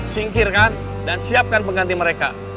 singkirkan dan siapkan pengganti mereka